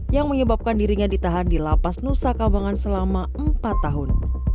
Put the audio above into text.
yang menyebabkan dirinya ditahan di lapas nusa kabangan selama empat tahun